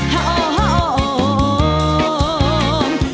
ฮะโอ้ฮะโอ้ม